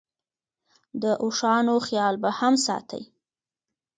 د اوښانو خیال به هم ساتې.